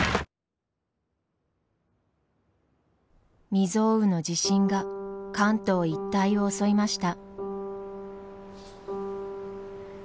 未曽有の地震が関東一帯を襲いました。